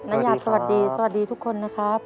ญาติสวัสดีสวัสดีทุกคนนะครับ